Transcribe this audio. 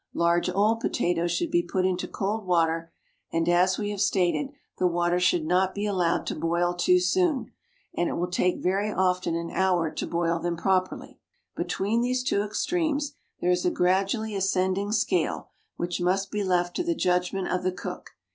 Large old potatoes should be put into cold water and, as we have stated, the water should not be allowed to boil too soon, and it will take very often an hour to boil them properly. Between these two extremes there is a gradually ascending scale which must be left to the judgment of the cook.